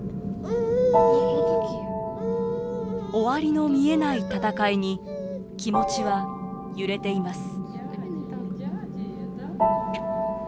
終わりの見えない戦いに気持ちは揺れています。